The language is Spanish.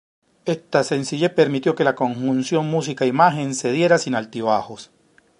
Esta sencillez permitió que la conjunción música-imagen se diera sin altibajos.